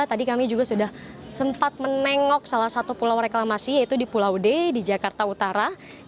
tadi kami juga sudah sempat menengok salah satu pulau reklamasi yaitu di pulau d di jakarta utara